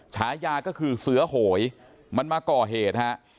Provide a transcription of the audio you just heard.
ฉายาก็คือเสือโหยมันมาก่อเหตุฮะ